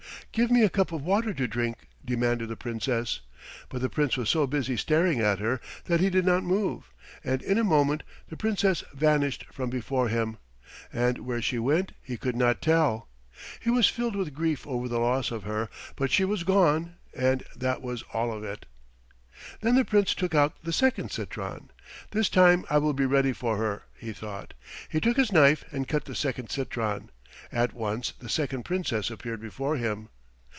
"Give me a cup of water to drink," demanded the Princess; but the Prince was so busy staring at her that he did not move, and in a moment the Princess vanished from before him, and where she went he could not tell. He was filled with grief over the loss of her, but she was gone, and that was all of it. Then the Prince took out the second citron. "This time I will be ready for her," he thought. He took his knife and cut the second citron. At once the second Princess appeared before him.